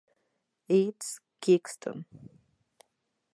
East Kingston